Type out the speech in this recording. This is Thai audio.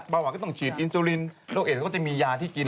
ว่าก็ต้องฉีดอินซูลินโรคเอดเขาก็จะมียาที่กิน